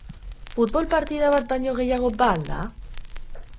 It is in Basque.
Futbol partida bat baino gehiago ba al da?